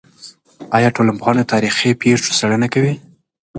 آیا ټولنپوهنه د تاریخي پېښو څېړنه کوي؟